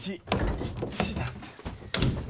１だって。